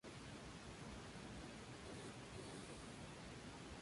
Su padre es de ascendencia gujarati y su madre es de ascendencia Kashmiri-alemán.